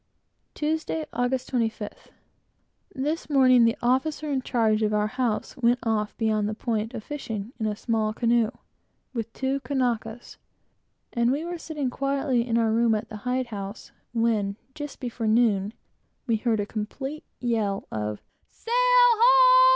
Tuesday, August 25th. This morning, the officer in charge of our house went off beyond the point a fishing, in a small canoe, with two Kanakas; and we were sitting quietly in our room at the hide house, when, just before noon, we heard a complete yell of "Sail ho!"